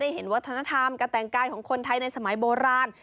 เห็นวัฒนธรรมการแต่งกายของคนไทยในสมัยโบราณ